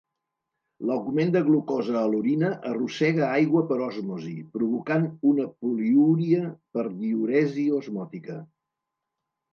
L'augment de glucosa a l'orina arrossega aigua per osmosi, provocant una poliúria per diüresi osmòtica.